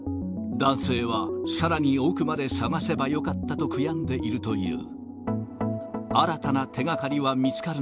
男性はさらに奥まで捜せばよかったと悔やんでいるという。